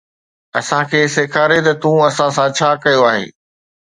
اسان کي سيکاري ته تو اسان سان ڇا ڪيو آهي